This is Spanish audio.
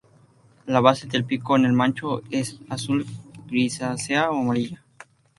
La base del pico en el macho es azul grisácea o amarilla.